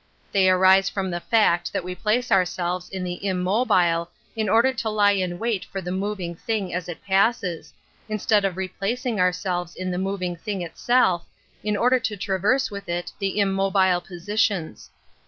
They arise from the fact that we place ourselves in the im mobile in order to lie in wait for the mov ing thing as it passes, instead of replacing ourselves in the moving thing itself, in . order to traverse with it the immobile ^ positions.